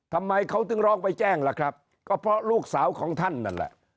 ทำไมเขาถึงร้องไปแจ้งล่ะครับก็เพราะลูกสาวของท่านนั่นแหละ